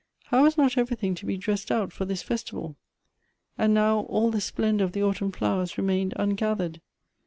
How was not everything to be dressed out for this festival ? and now all the splendor of the Elective Affinities. 171 autumn flowers remained ungathered.